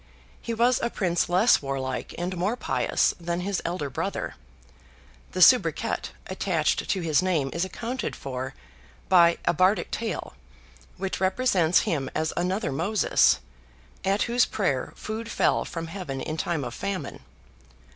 He was a prince less warlike and more pious than his elder brother. The soubriquet attached to his name is accounted for by a Bardic tale, which represents him as another Moses, at whose prayer food fell from heaven in time of famine.